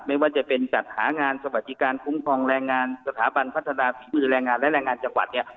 ไม่ว่าจะเป็นจัดหางานสวัสดิการคุ้มครองแรงงานสถาบันพัฒนาฝีมือแรงงานและแรงงานจังหวัดเนี่ย